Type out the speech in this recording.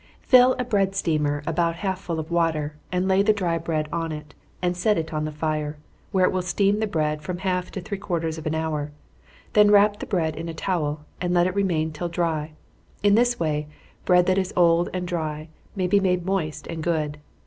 _ Fill a bread steamer about half full of water, and lay the dry bread on it, and set it on the fire, where it will steam the bread from half to three quarters of an hour; then wrap the bread in a towel, and let it remain till dry. In this way, bread that is old and dry may be made moist and good.